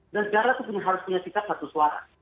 negara itu harus punya sikap satu suara